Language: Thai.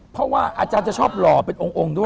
เพราะว่าอาจารย์จะชอบหล่อเป็นองค์ด้วย